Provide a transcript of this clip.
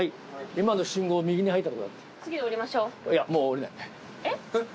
今の信号を右に入ったとこだ。